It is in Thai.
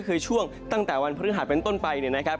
ก็คือช่วงตั้งแต่วันพฤหาส์เป็นต้นไปนะครับ